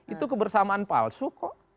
itu kebersamaan palsu kok